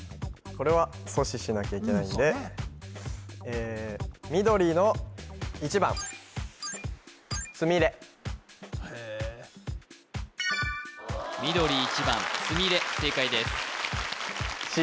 これは阻止しなきゃいけないんで緑１番つみれ正解です